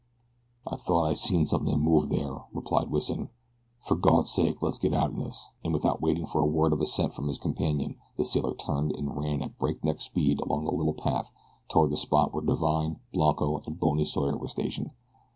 "I thought I seen something move there," replied Wison. "Fer Gawd's sake let's get outen this," and without waiting for a word of assent from his companion the sailor turned and ran at breakneck speed along the little path toward the spot where Divine, Blanco, and Bony Sawyer were stationed.